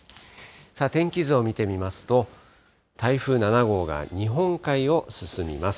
さあ、天気図を見てみますと、台風７号が日本海を進みます。